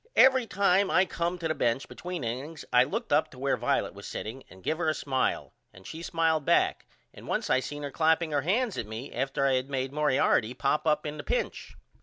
Every time I come to the bench between innings I looked up to where Violet was setting and give her a smile and she smiled back and once I seen her clapping her hands at me after I had made Moriarty pop up in the pinch.